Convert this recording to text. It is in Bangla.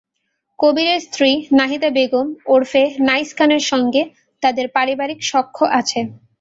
কবীরের স্ত্রী নাহিদা বেগম ওরফে নাইস খানের সঙ্গে তাঁদের পারিবারিক সখ্য আছে।